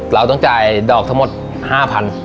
เราต้องจ่ายดอกทั้งหมดห้าพัน